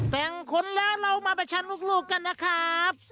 แต่งคนแล้วเรามาประชันลูกกันนะครับ